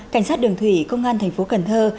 cảnh sát đường thủy công an thành phố cần thơ